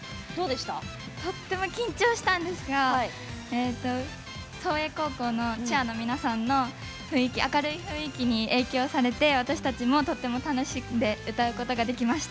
とっても緊張したんですが創英高校のチアの皆さんの明るい雰囲気に影響されて私たちもとても楽しんで歌うことができました。